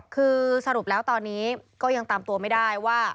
คือสรุปแล้วตอนนี้ก็ยังตามตัวไม่ได้ว่า